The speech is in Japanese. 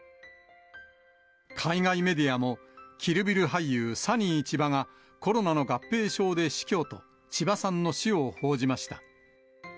海外メディアも、キル・ビル俳優、サニー・チバが、コロナの合併症で死去と、千葉さんの死を報じました。